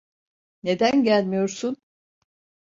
Neden gelmiyorsun?